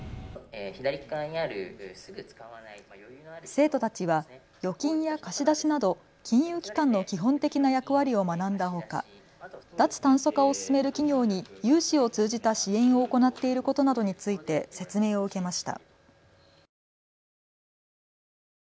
生徒たちは預金や貸し出しなど金融機関の基本的な役割を学んだほか脱炭素化を進める企業に融資を通じた支援を行っていることなどについて説明を受けました。